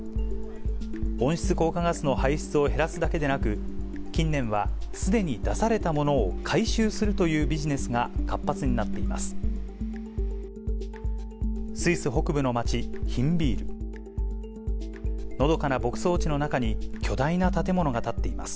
温室効果ガスの排出を減らすだけでなく、近年は、すでに出されたものを回収するというビジネスが活発になっています。